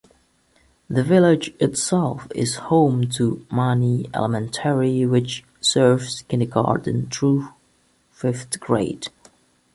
The village itself is home to Monee Elementary which serves kindergarten through fifth grade.